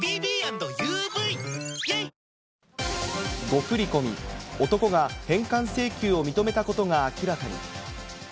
誤振り込み、男が返還請求を認めたことが明らかに。